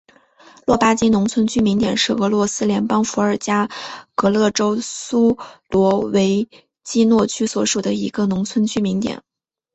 洛巴金农村居民点是俄罗斯联邦伏尔加格勒州苏罗维基诺区所属的一个农村居民点。